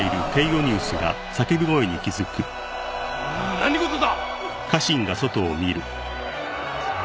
何事だ？